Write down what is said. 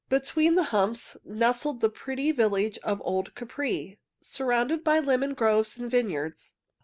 Between the humps nestled the pretty village of old Capri, surrounded by lemon groves and vineyards.